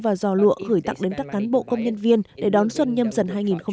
và giò lụa gửi tặng đến các cán bộ công nhân viên để đón xuân nhâm dần hai nghìn hai mươi